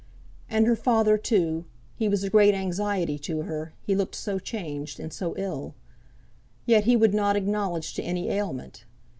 And her father, too he was a great anxiety to her, he looked so changed and so ill. Yet he would not acknowledge to any ailment.